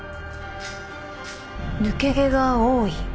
抜け毛が多い。